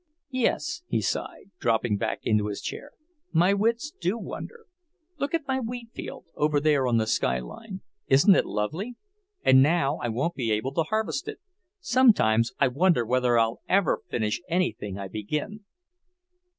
"Yes," he sighed, dropping back into his chair, "my wits do wander. Look at my wheatfield, over there on the skyline. Isn't it lovely? And now I won't be able to harvest it. Sometimes I wonder whether I'll ever finish anything I begin."